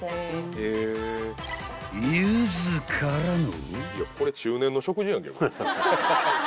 ［ゆずからの］